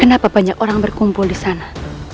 kenapa banyak orang berkumpul di sana